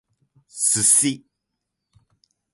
sushi